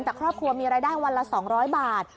แต่ครอบครัวมีรายได้วันละ๒๐๐บาท